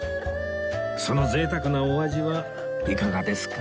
その贅沢なお味はいかがですか？